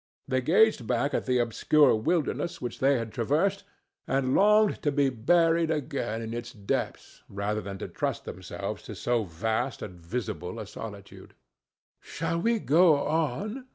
They gazed back at the obscure wilderness which they had traversed, and longed to be buried again in its depths rather than trust themselves to so vast and visible a solitude. "Shall we go on?"